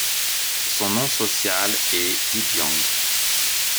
Son nom social est Pijiang.